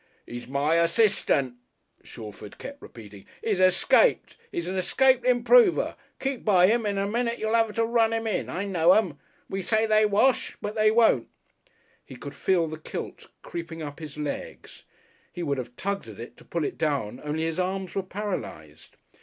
"He's my assistant," Shalford kept repeating; "he's escaped. He's an escaped Improver. Keep by him and in a minute you'll have to run him in. I know 'em. We say they wash, but they won't."... He could feel the kilt creeping up his legs. He would have tugged at it to pull it down only his arms were paralysed.